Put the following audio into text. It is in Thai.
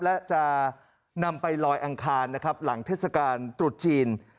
และจะนำไปลอยอังคารนะครับหลังเทศกาลตรุษจีน